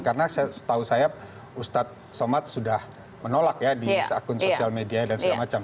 karena setahu saya ustadz somad sudah menolak ya di akun sosial media dan segala macam